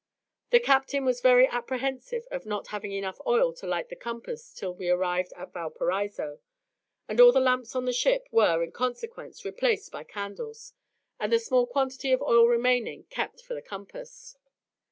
The captain was very apprehensive of not having enough oil to light the compass till we arrived at Valparaiso; and all the lamps on the ship were, in consequence, replaced by candles, and the small quantity of oil remaining kept for the compass.